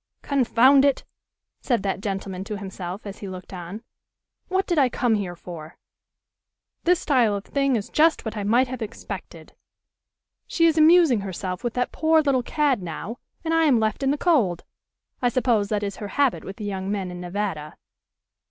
"Confound it!" said that gentleman to himself, as he looked on. "What did I come here for? This style of thing is just what I might have expected. She is amusing herself with that poor little cad now, and I am left in the cold. I suppose that is her habit with the young men in Nevada."